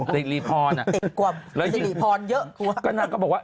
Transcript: ติดกว่าบริสริพรเยอะ